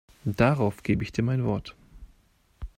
Darauf gebe ich dir mein Wort.